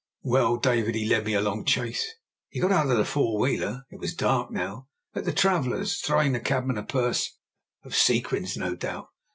Well, David, he led me a long chase. He got out of the four wheeler (it was dark now) at the Travellers', throwing the cabman a purse—of sequins, no doubt.